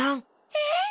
えっ？